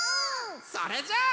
それじゃあ。